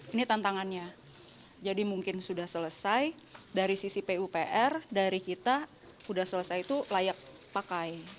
ini tantangannya jadi mungkin sudah selesai dari sisi pupr dari kita sudah selesai itu layak pakai